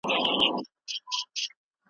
غزل مي درلېږمه خوښوې یې او که نه .